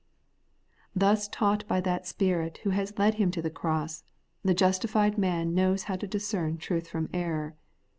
Thus taught by that Spirit who has led him to the cross, the justified man knows how to discern truth from error.